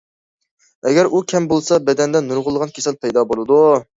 ئەگەر ئۇ كەم بولسا، بەدەندە نۇرغۇنلىغان كېسەل پەيدا بولىدۇ.